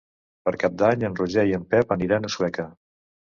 Per Cap d'Any en Roger i en Pep aniran a Sueca.